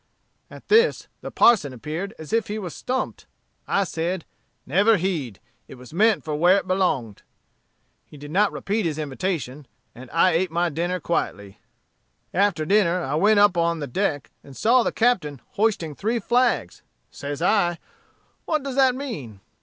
At this the parson appeared as if he was stumpt. I said, 'Never heed; it was meant for where it belonged.' He did not repeat his invitation, and I eat my dinner quietly. "After dinner I went up on the deck, and saw the captain hoisting three flags. Says I, 'What does that mean?'